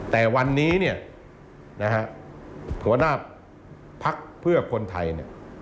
แต่วันนี้หัวหน้าภักษ์เพื่อคนไทย